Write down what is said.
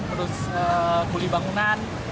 terus kuli bangunan